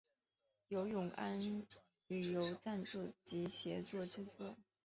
由永安旅游赞助及协助制作。